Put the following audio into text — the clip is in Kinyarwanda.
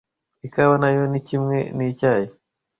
Ikawa na yo ni kimwe n’icyayi